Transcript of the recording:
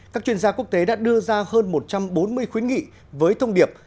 các chuyên gia quốc tế đã đưa ra hơn một trăm bốn mươi khuyến nghị với thông điệp